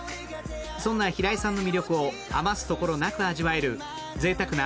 そんな平井さんの魅力を余すところなく味わえるぜいたくな